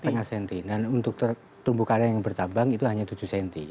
setengah senti dan untuk terumbu karang yang bercabang itu hanya tujuh senti